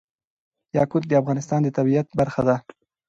یاقوت د افغانستان د طبیعت برخه ده.